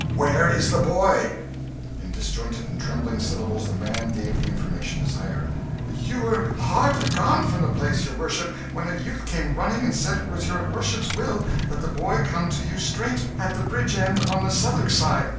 "Where is the boy?" In disjointed and trembling syllables the man gave the information desired. "You were hardly gone from the place, your worship, when a youth came running and said it was your worship's will that the boy come to you straight, at the bridge end on the Southwark side.